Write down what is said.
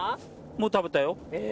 もう食べたよ。